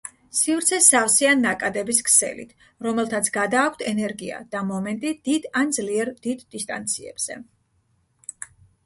სივრცე სავსეა ნაკადების ქსელით, რომელთაც გადააქვთ ენერგია და მომენტი დიდ ან ძლიერ დიდ დისტანციებზე.